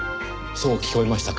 そう聞こえましたか。